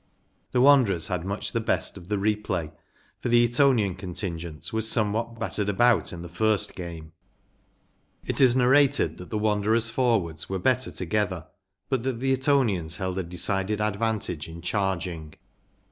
The Wanderers had much the best of the replay, for the Etonian contingent was somewhat battered about in the first game. It is nar¬ rated that the Wanderers’ forwards were better together, but that the Etonians held a decided advantage in charging.